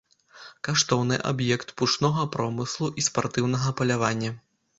Каштоўны аб'ект пушнога промыслу і спартыўнага палявання.